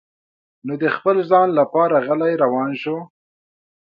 نو د خپل ځان لپاره غلی روان شو.